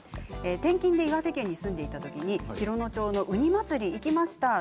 転勤で岩手県に住んでいたときに洋野町のうにまつりいきました。